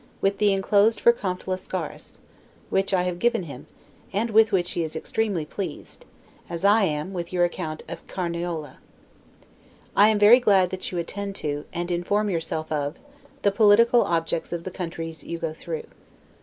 with the inclosed for Comte Lascaris; which I have given him, and with which he is extremely pleased, as I am with your account of Carniola. I am very glad that you attend to, and inform yourself of, the political objects of the country you go through.